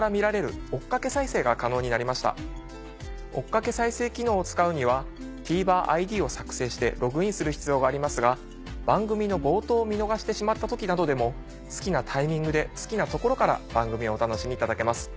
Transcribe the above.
追っかけ再生機能を使うには「ＴＶｅｒＩＤ」を作成してログインする必要がありますが番組の冒頭を見逃してしまった時などでも好きなタイミングで好きな所から番組をお楽しみいただけます。